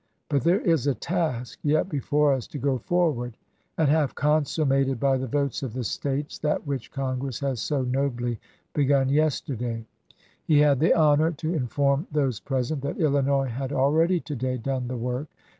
But there is a task yet before us — to go forward and have consummated by the votes of the States that which Congress had so nobly begun yesterday. He had the honor to inform those present that Illinois had already to day done the work.